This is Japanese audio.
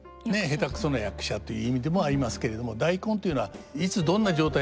下手くそな役者という意味でもありますけれども大根というのはいつどんな状態でも食べられる。